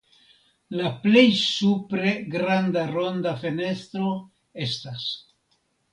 La plej supre granda ronda fenestro estas.